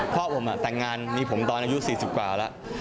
พ่อผมแต่งงานมีผมตอนอายุ๔๐กว่าแล้ว